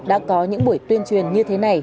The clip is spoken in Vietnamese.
đã có những buổi tuyên truyền như thế này